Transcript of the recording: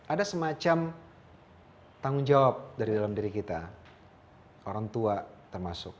ada semacam tanggung jawab dari dalam diri kita orang tua termasuk